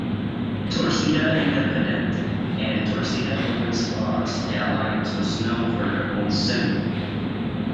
"Torcida Independente" and "Torcida Jovem Fla"'s alliance was known for their own "symbol".